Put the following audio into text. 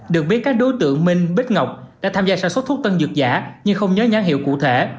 được biết các đối tượng minh bích ngọc đã tham gia sản xuất thuốc tân dược giả nhưng không nhớ nhãn hiệu cụ thể